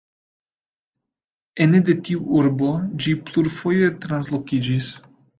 Ene de tiu urbo ĝi plurfoje translokiĝis.